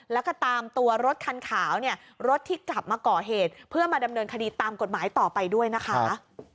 แล้วก็ตามตัวรถคันขาวเนี่ยรถที่กลับมาก่อเหตุเพื่อมาดำเนินคดีตามกฎหมายต่อไปด้วยนะคะ